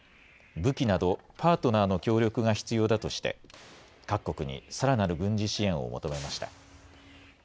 武器などパートナーの協力が必要だとして各国にさらなる軍事支援を求めました。